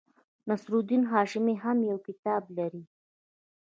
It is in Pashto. نصیر الدین هاشمي هم یو کتاب لري.